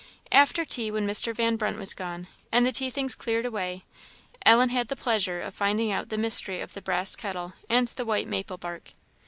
After tea, when Mr. Van Brunt was gone, and the tea things cleared away, Ellen had the pleasure of finding out the mystery of the brass kettle and the white maple bark.